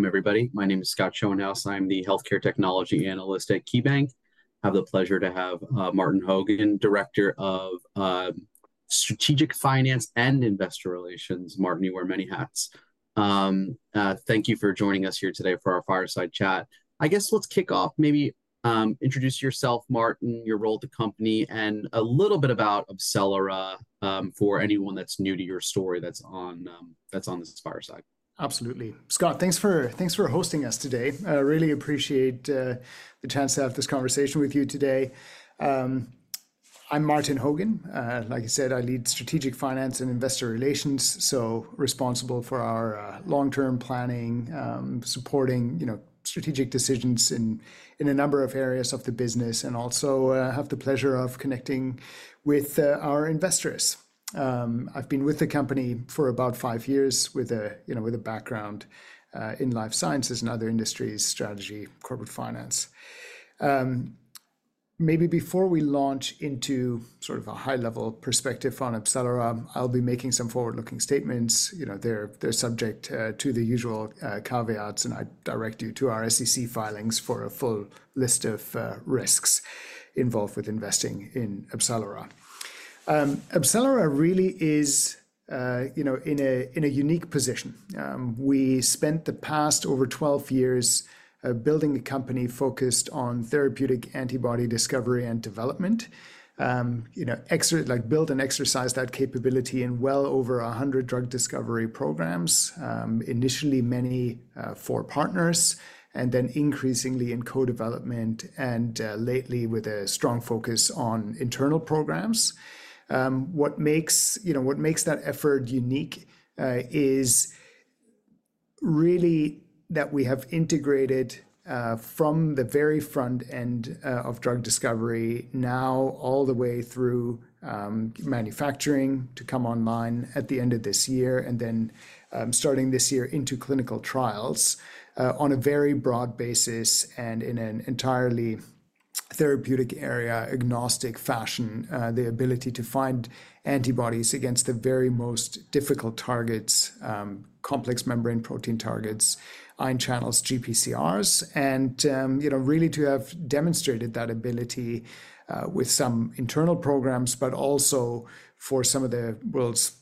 Welcome, everybody. My name is Scott Schoenhaus. I'm the Healthcare Technology Analyst at KeyBanc. I have the pleasure to have Martin Hogan, Director of Strategic Finance and Investor Relations. Martin, you wear many hats. Thank you for joining us here today for our fireside chat. I guess let's kick off. Maybe introduce yourself, Martin, your role at the company, and a little bit about AbCellera for anyone that's new to your story that's on this fireside. Absolutely. Scott, thanks for hosting us today. I really appreciate the chance to have this conversation with you today. I'm Martin Hogan. Like I said, I lead Strategic Finance and Investor Relations, so responsible for our long-term planning, supporting strategic decisions in a number of areas of the business, and also have the pleasure of connecting with our investors. I've been with the company for about five years with a background in life sciences and other industries, strategy, corporate finance. Maybe before we launch into sort of a high-level perspective on AbCellera, I'll be making some forward-looking statements. They're subject to the usual caveats, and I direct you to our SEC filings for a full list of risks involved with investing in AbCellera. AbCellera really is in a unique position. We spent the past over 12 years building a company focused on therapeutic antibody discovery and development, built and exercised that capability in well over 100 drug discovery programs, initially many for partners, and then increasingly in co-development, and lately with a strong focus on internal programs. What makes that effort unique is really that we have integrated from the very front end of drug discovery now all the way through manufacturing to come online at the end of this year, and then starting this year into clinical trials on a very broad basis and in an entirely therapeutic area-agnostic fashion. The ability to find antibodies against the very most difficult targets, complex membrane protein targets, ion channels, GPCRs, and really to have demonstrated that ability with some internal programs, but also for some of the world's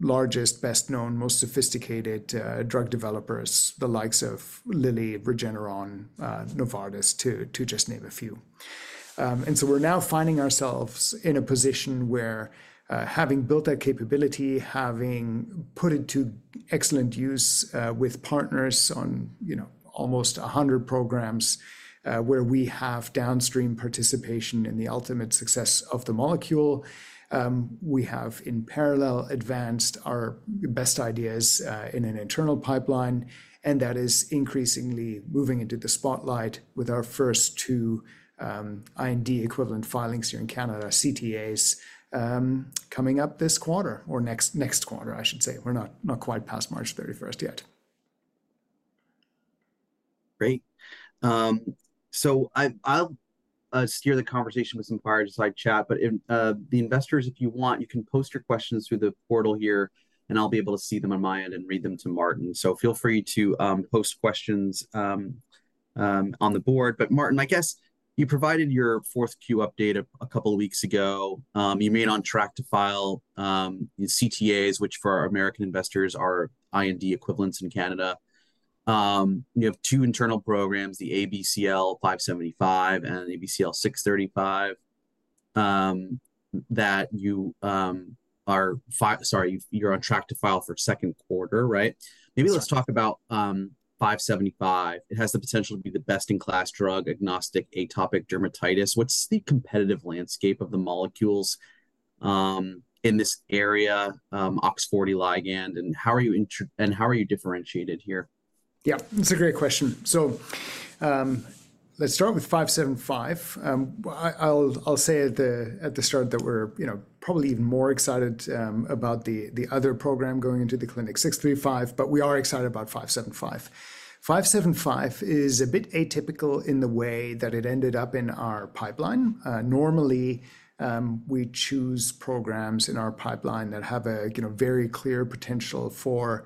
largest, best-known, most sophisticated drug developers, the likes of Lilly, Regeneron, Novartis, to just name a few. We are now finding ourselves in a position where, having built that capability, having put it to excellent use with partners on almost 100 programs where we have downstream participation in the ultimate success of the molecule, we have in parallel advanced our best ideas in an internal pipeline, and that is increasingly moving into the spotlight with our first two IND equivalent filings here in Canada, CTAs, coming up this quarter or next quarter, I should say. We are not quite past March 31st yet. Great. I'll steer the conversation with some fireside chat, but the investors, if you want, you can post your questions through the portal here, and I'll be able to see them on my end and read them to Martin. Feel free to post questions on the board. Martin, I guess you provided your 4Q update a couple of weeks ago. You're on track to file CTAs, which for American investors are IND equivalents in Canada. You have two internal programs, the ABCL 575 and ABCL 635, that you are on track to file for second quarter, right? Maybe let's talk about 575. It has the potential to be the best-in-class drug, agnostic atopic dermatitis. What's the competitive landscape of the molecules in this area, OX40 ligand, and how are you differentiated here? Yeah, that's a great question. Let's start with 575. I'll say at the start that we're probably even more excited about the other program going into the clinic, 635, but we are excited about 575. 575 is a bit atypical in the way that it ended up in our pipeline. Normally, we choose programs in our pipeline that have a very clear potential for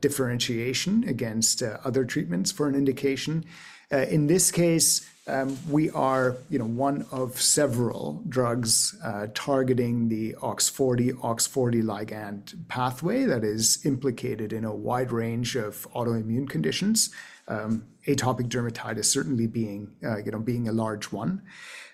differentiation against other treatments for an indication. In this case, we are one of several drugs targeting the OX40, OX40 ligand pathway that is implicated in a wide range of autoimmune conditions, atopic dermatitis certainly being a large one.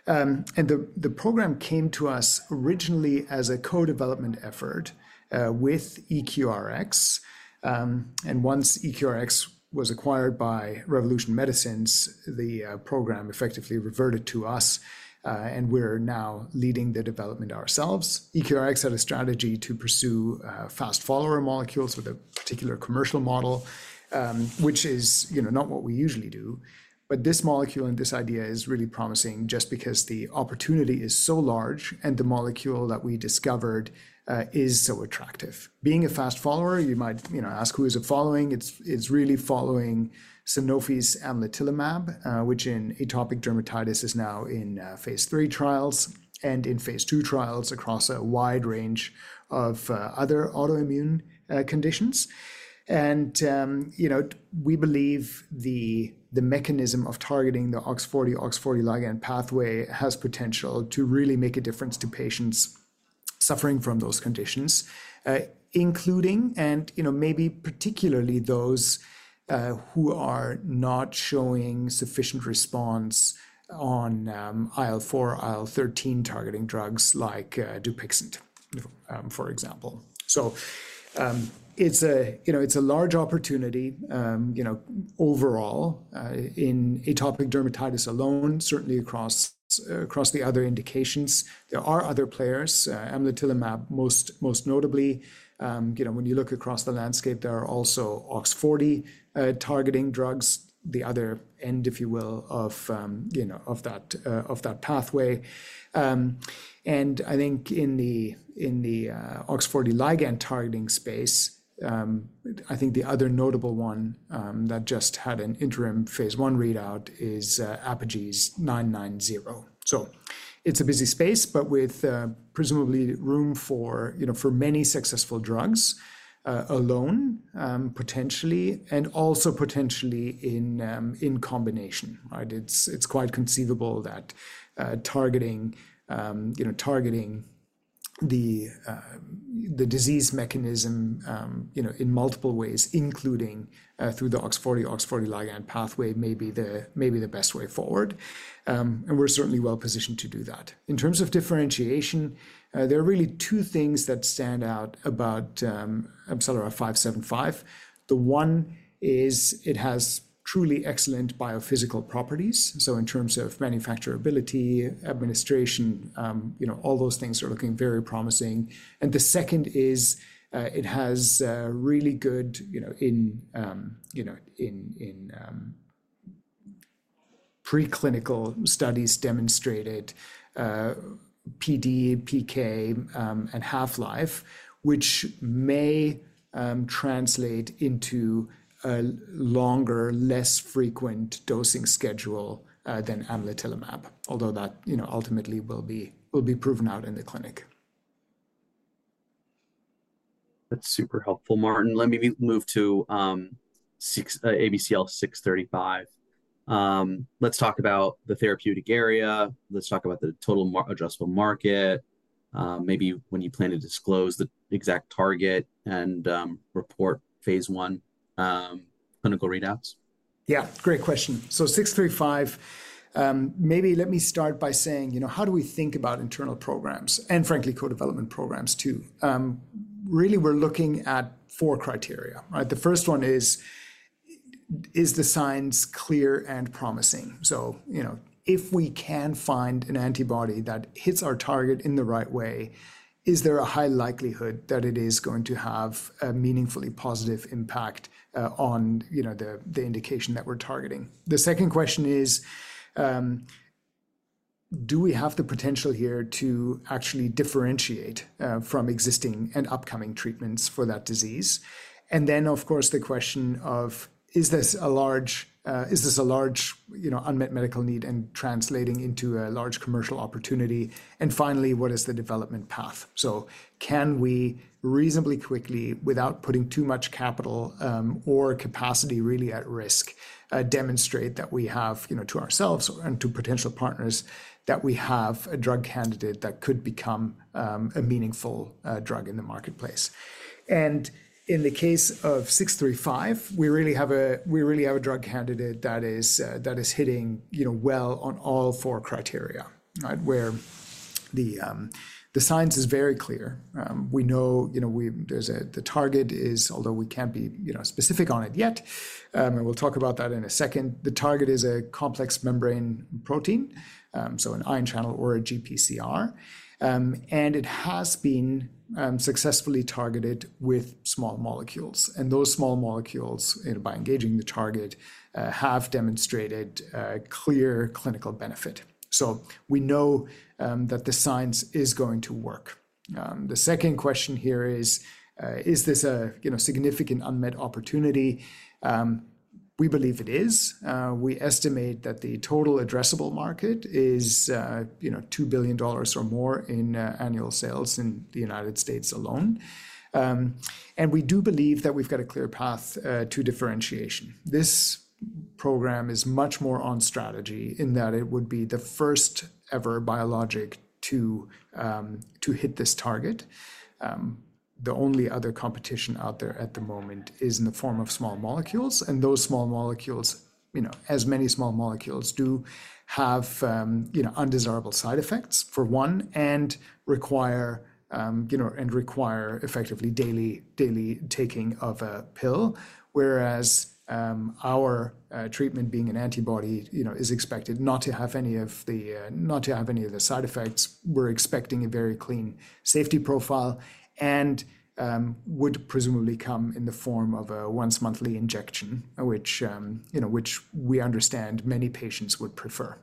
The program came to us originally as a co-development effort with EQRx. Once EQRx was acquired by Revolution Medicines, the program effectively reverted to us, and we're now leading the development ourselves. EQRx had a strategy to pursue fast follower molecules with a particular commercial model, which is not what we usually do. This molecule and this idea is really promising just because the opportunity is so large and the molecule that we discovered is so attractive. Being a fast follower, you might ask, who is it following? It is really following Sanofi's Amlitelimab, which in atopic dermatitis is now in Phase III trials and in Phase II trials across a wide range of other autoimmune conditions. We believe the mechanism of targeting the OX40, OX40 ligand pathway has potential to really make a difference to patients suffering from those conditions, including and maybe particularly those who are not showing sufficient response on IL-4, IL-13 targeting drugs like Dupixent, for example. It is a large opportunity overall in atopic dermatitis alone, certainly across the other indications. There are other players, Amlitelimab most notably. When you look across the landscape, there are also OX40 targeting drugs, the other end, if you will, of that pathway. I think in the OX40 ligand targeting space, I think the other notable one that just had an interim Phase I readout is Apogee's 990. It is a busy space, but with presumably room for many successful drugs alone, potentially, and also potentially in combination. It is quite conceivable that targeting the disease mechanism in multiple ways, including through the OX40, OX40 ligand pathway, may be the best way forward. We are certainly well positioned to do that. In terms of differentiation, there are really two things that stand out about AbCellera 575. The one is it has truly excellent biophysical properties. In terms of manufacturability, administration, all those things are looking very promising. The second is it has really good preclinical studies demonstrated PD, PK, and half-life, which may translate into a longer, less frequent dosing schedule than Amlitelimab, although that ultimately will be proven out in the clinic. That's super helpful, Martin. Let me move to ABCL 635. Let's talk about the therapeutic area. Let's talk about the total addressable market, maybe when you plan to disclose the exact target and report Phase I clinical readouts. Yeah, great question. 635, maybe let me start by saying, how do we think about internal programs and frankly, co-development programs too? Really, we're looking at four criteria. The first one is, is the science clear and promising? If we can find an antibody that hits our target in the right way, is there a high likelihood that it is going to have a meaningfully positive impact on the indication that we're targeting? The second question is, do we have the potential here to actually differentiate from existing and upcoming treatments for that disease? Of course, the question of, is this a large unmet medical need and translating into a large commercial opportunity? Finally, what is the development path? Can we reasonably quickly, without putting too much capital or capacity really at risk, demonstrate that we have to ourselves and to potential partners that we have a drug candidate that could become a meaningful drug in the marketplace? In the case of 635, we really have a drug candidate that is hitting well on all four criteria, where the science is very clear. We know the target is, although we can't be specific on it yet, and we'll talk about that in a second, the target is a complex membrane protein, so an ion channel or a GPCR. It has been successfully targeted with small molecules. Those small molecules, by engaging the target, have demonstrated clear clinical benefit. We know that the science is going to work. The second question here is, is this a significant unmet opportunity? We believe it is. We estimate that the total addressable market is $2 billion or more in annual sales in the United States alone. We do believe that we've got a clear path to differentiation. This program is much more on strategy in that it would be the first ever biologic to hit this target. The only other competition out there at the moment is in the form of small molecules. Those small molecules, as many small molecules, do have undesirable side effects, for one, and require effectively daily taking of a pill, whereas our treatment being an antibody is expected not to have any of the side effects. We're expecting a very clean safety profile and would presumably come in the form of a once-monthly injection, which we understand many patients would prefer.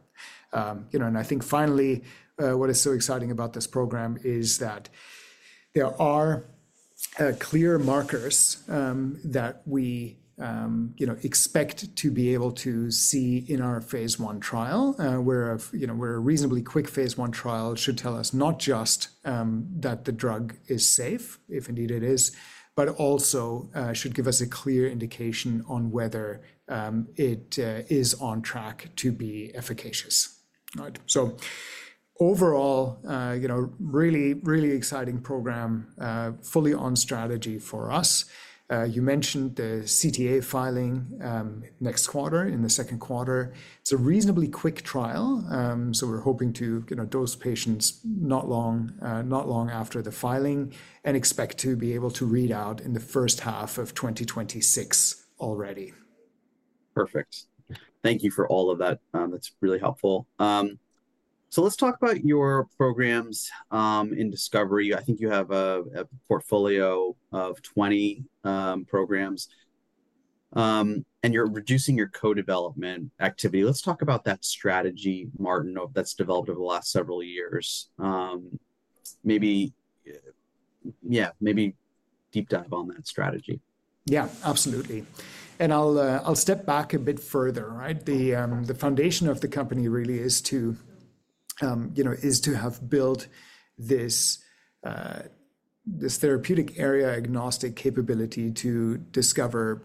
I think finally, what is so exciting about this program is that there are clear markers that we expect to be able to see in our phase I trial, where a reasonably quick phase I trial should tell us not just that the drug is safe, if indeed it is, but also should give us a clear indication on whether it is on track to be efficacious. Overall, really, really exciting program, fully on strategy for us. You mentioned the CTA filing next quarter, in the second quarter. It is a reasonably quick trial. We are hoping to dose patients not long after the filing and expect to be able to read out in the first half of 2026 already. Perfect. Thank you for all of that. That's really helpful. Let's talk about your programs in discovery. I think you have a portfolio of 20 programs. You're reducing your co-development activity. Let's talk about that strategy, Martin, that's developed over the last several years. Maybe deep dive on that strategy. Yeah, absolutely. I'll step back a bit further. The foundation of the company really is to have built this therapeutic area agnostic capability to discover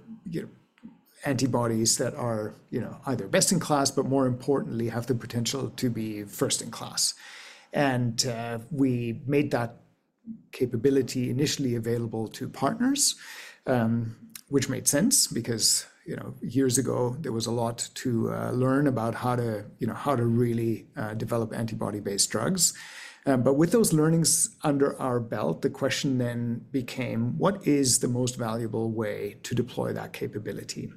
antibodies that are either best in class, but more importantly, have the potential to be first in class. We made that capability initially available to partners, which made sense because years ago, there was a lot to learn about how to really develop antibody-based drugs. With those learnings under our belt, the question then became, what is the most valuable way to deploy that capability?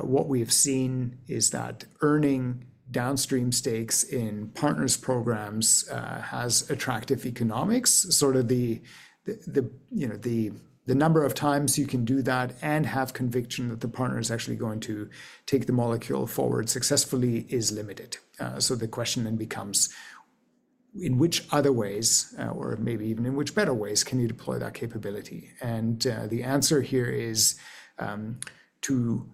What we have seen is that earning downstream stakes in partners' programs has attractive economics. Sort of the number of times you can do that and have conviction that the partner is actually going to take the molecule forward successfully is limited. The question then becomes, in which other ways, or maybe even in which better ways can you deploy that capability? The answer here is to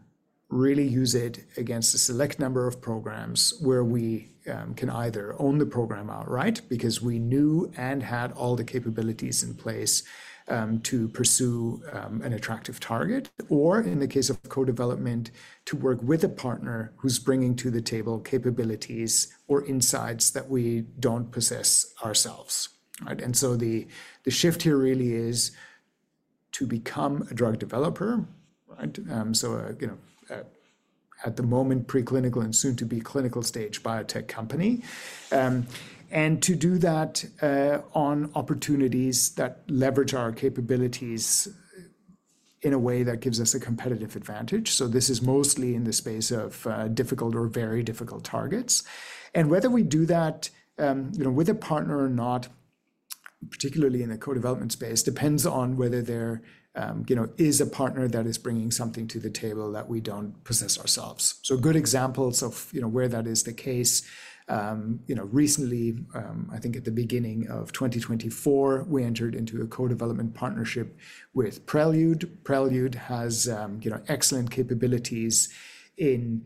really use it against a select number of programs where we can either own the program outright because we knew and had all the capabilities in place to pursue an attractive target, or in the case of co-development, to work with a partner who's bringing to the table capabilities or insights that we don't possess ourselves. The shift here really is to become a drug developer, so at the moment preclinical and soon to be clinical stage biotech company, and to do that on opportunities that leverage our capabilities in a way that gives us a competitive advantage. This is mostly in the space of difficult or very difficult targets. Whether we do that with a partner or not, particularly in the co-development space, depends on whether there is a partner that is bringing something to the table that we do not possess ourselves. Good examples of where that is the case. Recently, I think at the beginning of 2024, we entered into a co-development partnership with Prelude. Prelude has excellent capabilities in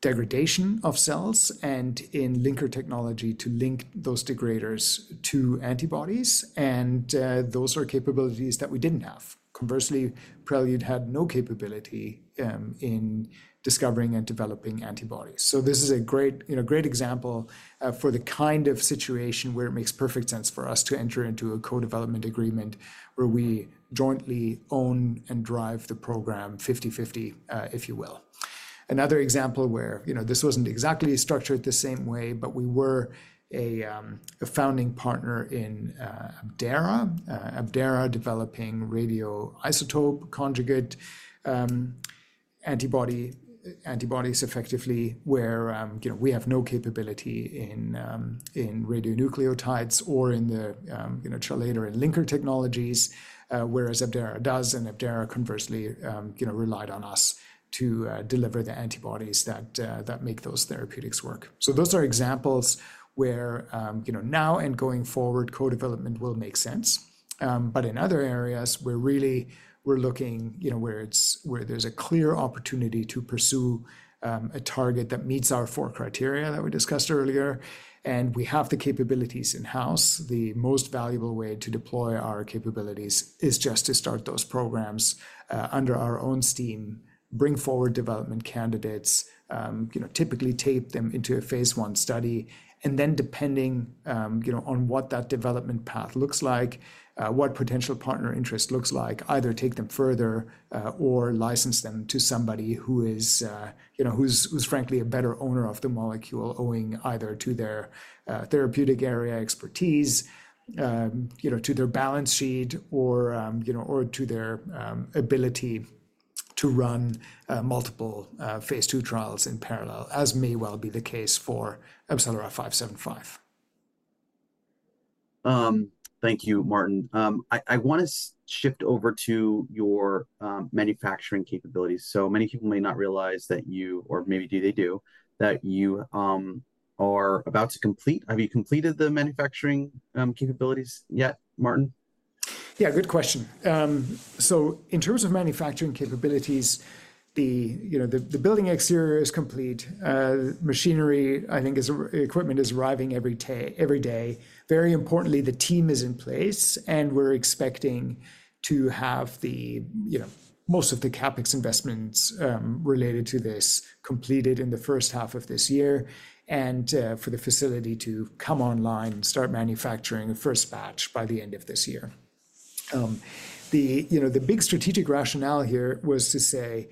degradation of cells and in linker technology to link those degraders to antibodies. Those are capabilities that we did not have. Conversely, Prelude had no capability in discovering and developing antibodies. This is a great example for the kind of situation where it makes perfect sense for us to enter into a co-development agreement where we jointly own and drive the program 50-50, if you will. Another example where this was not exactly structured the same way, but we were a founding partner in Abdera, Abdera developing radioisotope conjugate antibodies effectively, where we have no capability in radionucleotides or in the chelator and linker technologies, whereas Abdera does. Abdera, conversely, relied on us to deliver the antibodies that make those therapeutics work. Those are examples where now and going forward, co-development will make sense. In other areas, where really we're looking where there's a clear opportunity to pursue a target that meets our four criteria that we discussed earlier, and we have the capabilities in-house, the most valuable way to deploy our capabilities is just to start those programs under our own steam, bring forward development candidates, typically take them into a Phase I study, and then depending on what that development path looks like, what potential partner interest looks like, either take them further or license them to somebody who is, frankly, a better owner of the molecule owing either to their therapeutic area expertise, to their balance sheet, or to their ability to run multiple Phase II trials in parallel, as may well be the case for AbCellera 575. Thank you, Martin. I want to shift over to your manufacturing capabilities. Many people may not realize that you, or maybe they do, that you are about to complete. Have you completed the manufacturing capabilities yet, Martin? Yeah, good question. In terms of manufacturing capabilities, the building exterior is complete. Machinery, I think equipment is arriving every day. Very importantly, the team is in place, and we're expecting to have most of the CapEx investments related to this completed in the first half of this year and for the facility to come online and start manufacturing a first batch by the end of this year. The big strategic rationale here was to say,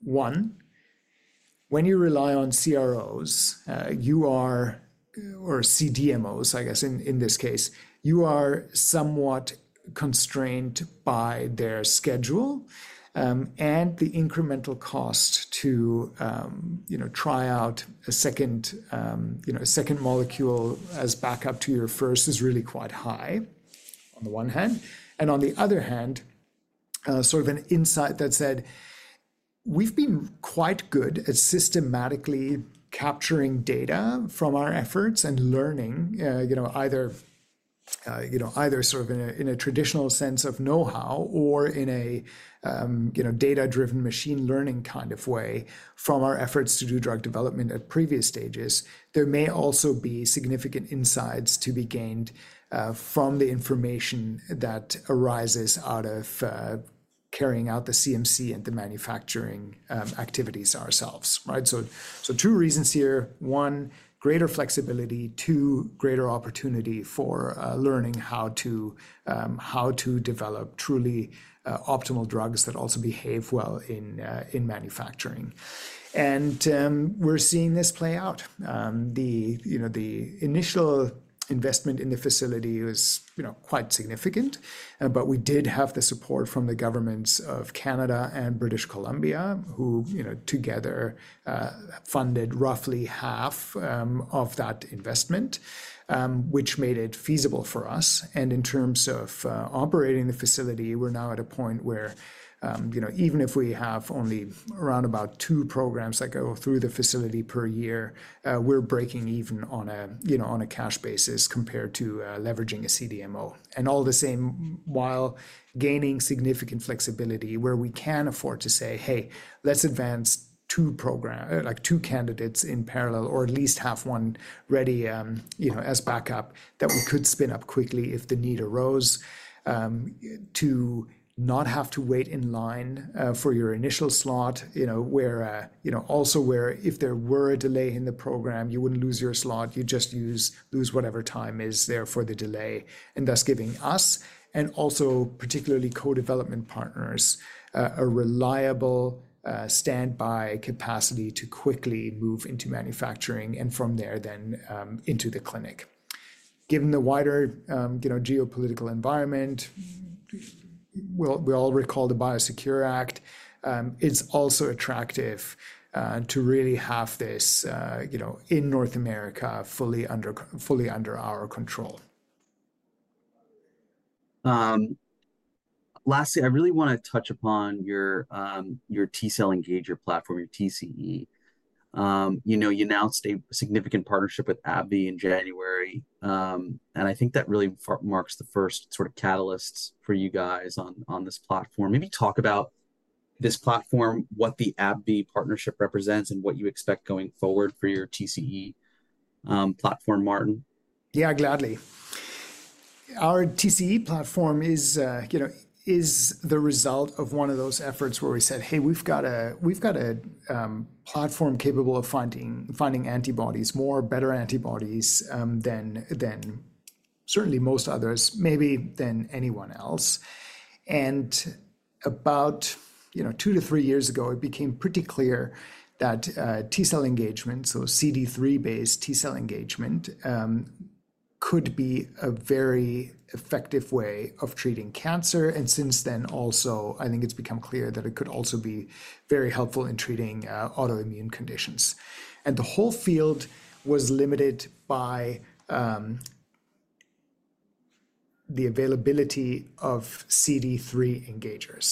one, when you rely on CROs or CDMOs, I guess in this case, you are somewhat constrained by their schedule. The incremental cost to try out a second molecule as backup to your first is really quite high on the one hand. On the other hand, sort of an insight that said, we've been quite good at systematically capturing data from our efforts and learning either sort of in a traditional sense of know-how or in a data-driven machine learning kind of way from our efforts to do drug development at previous stages. There may also be significant insights to be gained from the information that arises out of carrying out the CMC and the manufacturing activities ourselves. Two reasons here. One, greater flexibility. Two, greater opportunity for learning how to develop truly optimal drugs that also behave well in manufacturing. We're seeing this play out. The initial investment in the facility was quite significant, but we did have the support from the governments of Canada and British Columbia, who together funded roughly half of that investment, which made it feasible for us. In terms of operating the facility, we're now at a point where even if we have only around about two programs that go through the facility per year, we're breaking even on a cash basis compared to leveraging a CDMO. All the same while gaining significant flexibility where we can afford to say, hey, let's advance two candidates in parallel or at least have one ready as backup that we could spin up quickly if the need arose to not have to wait in line for your initial slot, also where if there were a delay in the program, you wouldn't lose your slot. You'd just lose whatever time is there for the delay, and thus giving us, and also particularly co-development partners, a reliable standby capacity to quickly move into manufacturing and from there then into the clinic. Given the wider geopolitical environment, we all recall the Biosecure Act. It's also attractive to really have this in North America fully under our control. Lastly, I really want to touch upon your T-cell engager platform, your TCE. You announced a significant partnership with AbbVie in January. I think that really marks the first sort of catalysts for you guys on this platform. Maybe talk about this platform, what the AbbVie partnership represents, and what you expect going forward for your TCE platform, Martin. Yeah, gladly. Our TCE platform is the result of one of those efforts where we said, hey, we've got a platform capable of finding antibodies, more better antibodies than certainly most others, maybe than anyone else. About two to three years ago, it became pretty clear that T-cell engagement, so CD3-based T-cell engagement, could be a very effective way of treating cancer. Since then, also, I think it's become clear that it could also be very helpful in treating autoimmune conditions. The whole field was limited by the availability of CD3 engagers.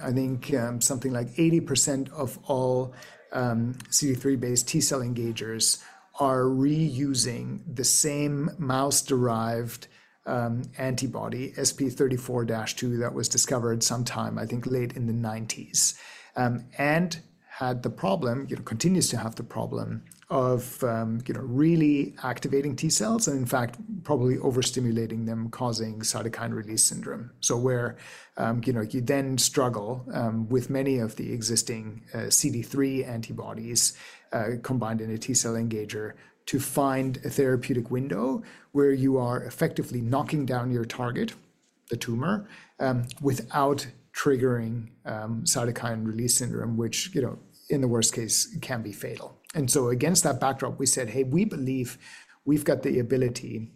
I think something like 80% of all CD3-based T-cell engagers are reusing the same mouse-derived antibody, SP34-2, that was discovered sometime, I think, late in the 1990s, and had the problem, continues to have the problem of really activating T-cells and, in fact, probably overstimulating them, causing cytokine release syndrome. Where you then struggle with many of the existing CD3 antibodies combined in a T-cell engager to find a therapeutic window where you are effectively knocking down your target, the tumor, without triggering cytokine release syndrome, which in the worst case can be fatal. Against that backdrop, we said, hey, we believe we've got the ability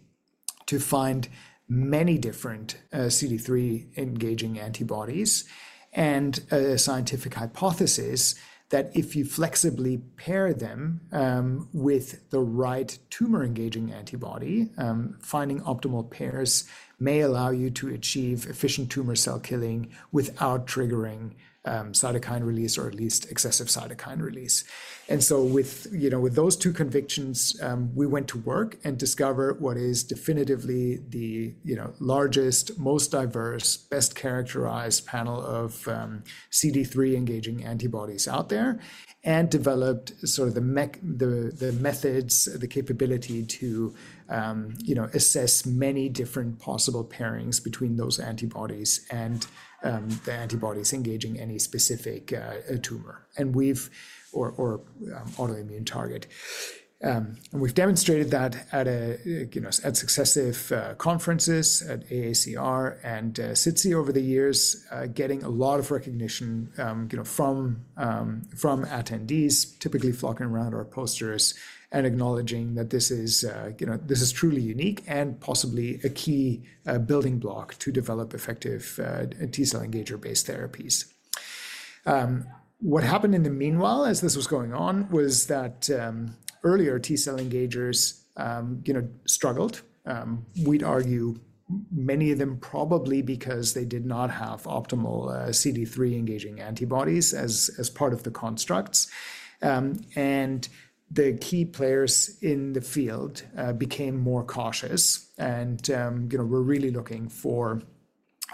to find many different CD3-engaging antibodies and a scientific hypothesis that if you flexibly pair them with the right tumor-engaging antibody, finding optimal pairs may allow you to achieve efficient tumor cell killing without triggering cytokine release or at least excessive cytokine release. With those two convictions, we went to work and discover what is definitively the largest, most diverse, best characterized panel of CD3-engaging antibodies out there and developed sort of the methods, the capability to assess many different possible pairings between those antibodies and the antibodies engaging any specific tumor or autoimmune target. We have demonstrated that at successive conferences at AACR and SITC over the years, getting a lot of recognition from attendees, typically flocking around our posters and acknowledging that this is truly unique and possibly a key building block to develop effective T-cell engager-based therapies. What happened in the meanwhile as this was going on was that earlier T-cell engagers struggled, we'd argue many of them probably because they did not have optimal CD3-engaging antibodies as part of the constructs. The key players in the field became more cautious and were really looking for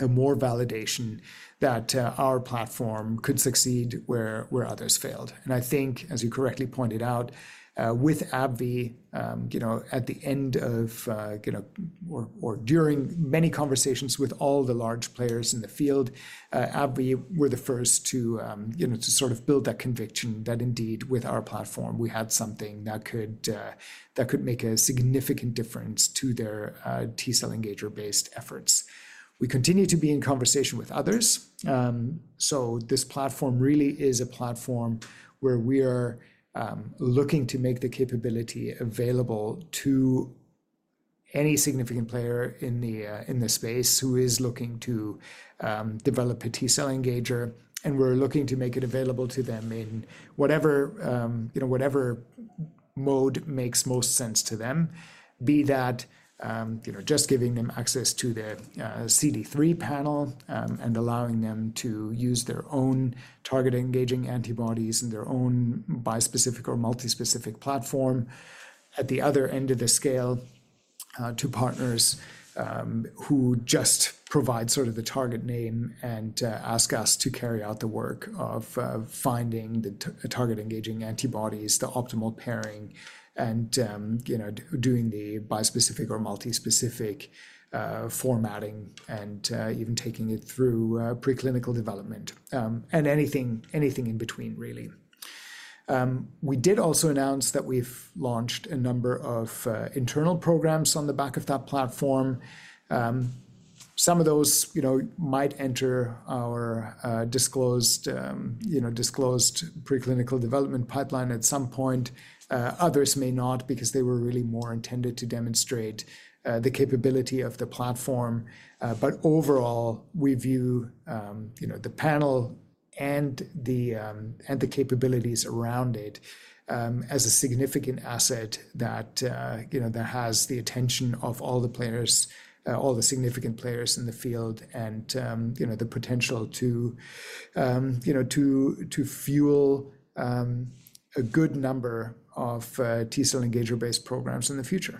more validation that our platform could succeed where others failed. I think, as you correctly pointed out, with AbbVie, at the end of or during many conversations with all the large players in the field, AbbVie were the first to sort of build that conviction that indeed with our platform, we had something that could make a significant difference to their T-cell engager-based efforts. We continue to be in conversation with others. This platform really is a platform where we are looking to make the capability available to any significant player in the space who is looking to develop a T-cell engager. We are looking to make it available to them in whatever mode makes most sense to them, be that just giving them access to the CD3 panel and allowing them to use their own target-engaging antibodies in their own bispecific or multi-specific platform. At the other end of the scale, to partners who just provide sort of the target name and ask us to carry out the work of finding the target-engaging antibodies, the optimal pairing, and doing the bispecific or multi-specific formatting and even taking it through preclinical development and anything in between, really. We did also announce that we have launched a number of internal programs on the back of that platform. Some of those might enter our disclosed preclinical development pipeline at some point. Others may not because they were really more intended to demonstrate the capability of the platform. Overall, we view the panel and the capabilities around it as a significant asset that has the attention of all the players, all the significant players in the field, and the potential to fuel a good number of T-cell engager-based programs in the future.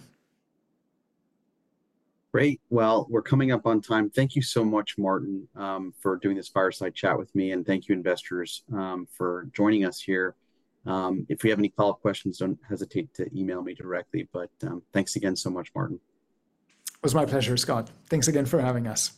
Great. We are coming up on time. Thank you so much, Martin, for doing this fireside chat with me. Thank you, investors, for joining us here. If we have any follow-up questions, do not hesitate to email me directly. Thanks again so much, Martin. It was my pleasure, Scott. Thanks again for having us.